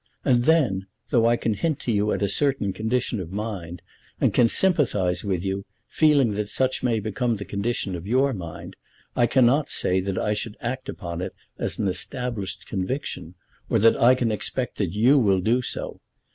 And then, though I can hint to you at a certain condition of mind, and can sympathise with you, feeling that such may become the condition of your mind, I cannot say that I should act upon it as an established conviction, or that I can expect that you will do so.